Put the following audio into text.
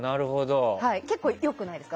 結構良くないですか？